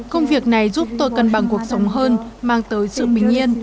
công việc này giúp tôi cân bằng cuộc sống hơn mang tới sự bình yên